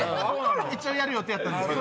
一応やる予定やったんすけど。